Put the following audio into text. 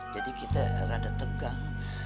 jadi kita agak tegang